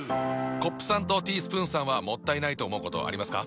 コップさんとティースプーンさんはもったいないと思うことありますか？